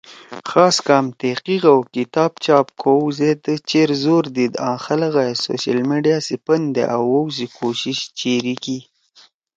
ای سیت ٹیم ئے کورونا سی وقت می تُنُو خاص کام، تحقیق او کتاب چاپ کؤ، زید چیر زور دیِد آں خلگا ئے سوشل میڈیا سی پندے آوؤ سی کوشش چیری کی۔